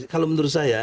kalau menurut saya